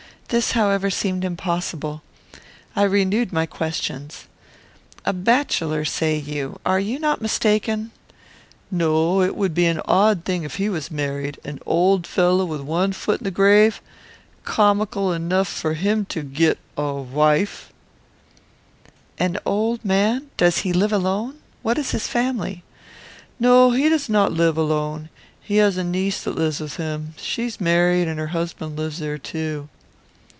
This, however, seemed impossible. I renewed my questions. "A bachelor, say you? Are you not mistaken?" "No. It would be an odd thing if he was married. An old fellow, with one foot in the grave Comical enough for him to git a vife!" "An old man? Does he live alone? What is his family?" "No, he does not live alone. He has a niece that lives with him. She is married, and her husband lives there too."